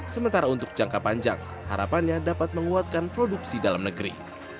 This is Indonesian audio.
sementara untuk jangka panjang harapannya dapat menguatkan produksi dalam negeri